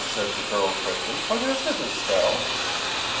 said the girl quickly; " what is it, Estelle?"